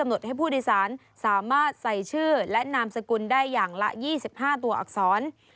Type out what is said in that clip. หดให้ผู้โดยสารสามารถใส่ชื่อและนามสกุลได้อย่างละ๒๕ตัวอักษร